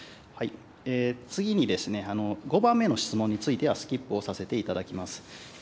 次に、５番目の質問については、スキップをさせていただきます。